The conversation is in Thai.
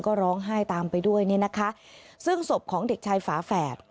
ก็ร้องไห้ตามไปด้วยเนี่ยนะคะซึ่งศพของเด็กชายฝาแฝด